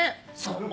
そう。